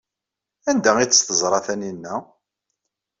Anda ay tt-teẓra Taninna?